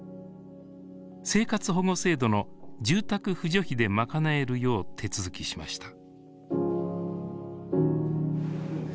生活保護制度の住宅扶助費で賄えるよう手続きしました。